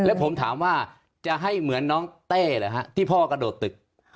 แล้วผมถามว่าจะให้เหมือนน้องเต้หรือฮะที่พ่อกระโดดตึก